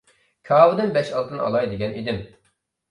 كاۋىدىن بەش-ئالتىنى ئالاي دېگەن ئىدىم.